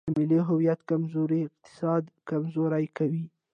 د ملي هویت کمزوري اقتصاد کمزوری کوي.